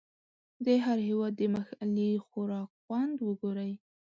د هر هېواد د محلي خوراک خوند وګورئ.